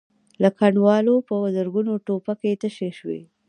له کنډوالو په زرګونو ټوپکې تشې شوې.